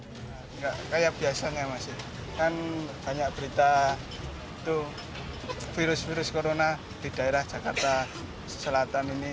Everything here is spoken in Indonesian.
biasanya banyak berita virus virus corona di daerah jakarta selatan ini